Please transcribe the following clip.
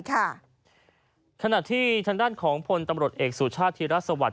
ขณะที่ทางด้านของพตรเอกสุชาติธิรัฐศาสตร์